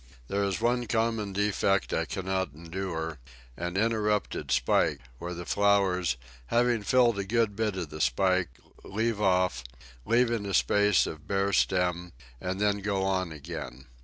There is one common defect that I cannot endure an interrupted spike, when the flowers, having filled a good bit of the spike, leave off, leaving a space of bare stem, and then go on again.